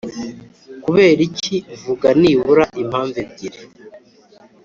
Kubera iki? Vuga nibura impamvu ebyiri.